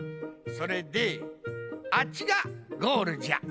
それであっちがゴールじゃ。